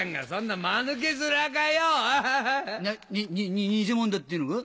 に偽者だっていうのか？